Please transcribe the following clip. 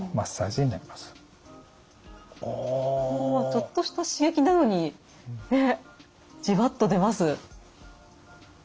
ちょっとした刺激なのにねっジワッと出ます。